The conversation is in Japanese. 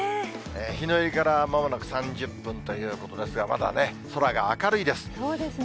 日の入りからまもなく３０分ということですが、まだね、空が明るいです。